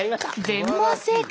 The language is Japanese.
全問正解！